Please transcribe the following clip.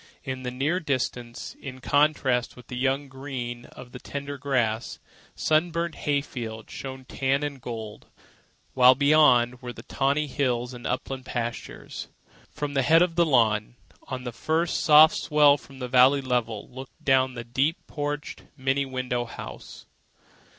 In the near distance, in contrast with the young green of the tended grass, sunburnt hay fields showed tan and gold; while beyond were the tawny hills and upland pastures. From the head of the lawn, on the first soft swell from the valley level, looked down the deep porched, many windowed house.